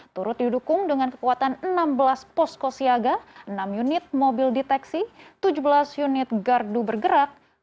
turut didukung dengan kekuatan enam belas posko siaga enam unit mobil deteksi tujuh belas unit gardu bergerak